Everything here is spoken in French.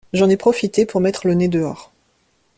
J’en ai profité pour mettre le nez dehors.